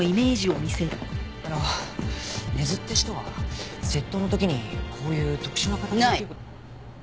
あの根津って人は窃盗の時にこういう特殊な形の器具。